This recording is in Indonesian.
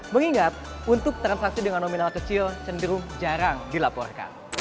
mengingat untuk transaksi dengan nominal kecil cenderung jarang dilaporkan